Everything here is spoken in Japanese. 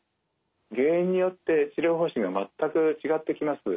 原因によって治療方針が全く違ってきます。